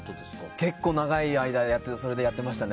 結構長い間それでやっていましたね。